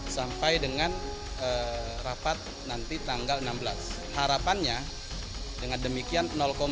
sampai dengan rapat nanti tanggal enam belas harapannya dengan demikian